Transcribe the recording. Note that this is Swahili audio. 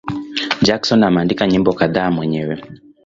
Jackson ameandika nyimbo kadhaa mwenyewe.